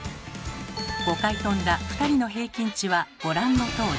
５回跳んだ２人の平均値はご覧のとおり。